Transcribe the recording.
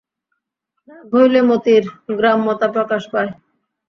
রাগ হইলে মতির গ্রাম্যতা প্রকাশ পায়।